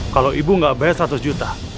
kalau ibu nggak bayar seratus juta